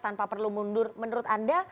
tanpa perlu mundur menurut anda